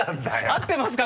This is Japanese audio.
合ってますか？